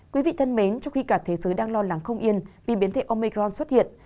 quý vị thân mến trong khi cả thế giới đang lo lắng không yên vì biến thể omicron xuất hiện